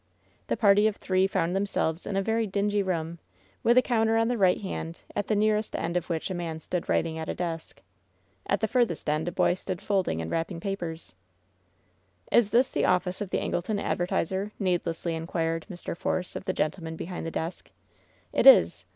The party of three found themselves in a very dingy room, with a counter on their right hand, at the nearest end of which a man stood writing at a desk. At the furthest end a boy stood folding and wrapping papers, "Is this the office of the Angleton Advertisers^ need lessly inquired Mr. Force of the gentleman behind the desk. "It is.